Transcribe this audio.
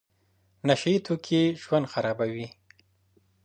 نشه يي توکي ژوند خرابوي.